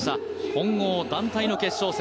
混合団体の決勝戦